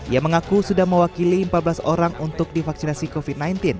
ia mengaku sudah mewakili empat belas orang untuk divaksinasi covid sembilan belas